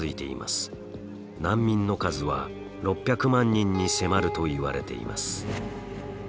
難民の数は６００万人に迫るといわれています。